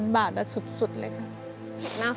๒๐๐๐บาทอะสุดเลยค่ะ